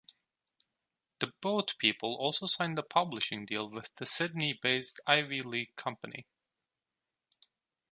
The Boat People also signed a publishing deal with the Sydney-based Ivy League company.